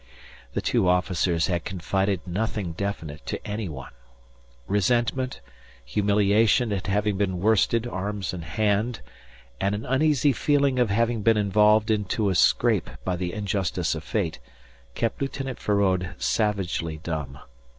The two officers had confided nothing definite to any one. Resentment, humiliation at having been worsted arms in hand, and an uneasy feeling of having been involved into a scrape by the injustice of fate, kept Lieutenant Feraud savagely dumb.